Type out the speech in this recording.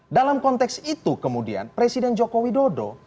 dalam konteks itu kemudian presiden jokowi dodo